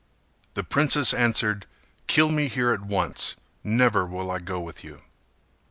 The princess answered "Kill me here at once, never will I go with you."